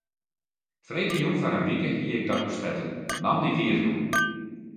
Freedtejûn foar in wike hie ik dat besletten, moandei wie it rûn.